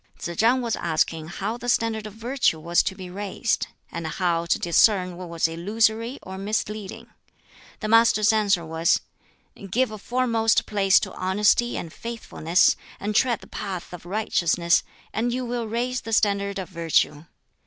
Tsz chang was asking how the standard of virtue was to be raised, and how to discern what was illusory or misleading. The Master's answer was, "Give a foremost place to honesty and faithfulness, and tread the path of righteousness, and you will raise the standard of virtue.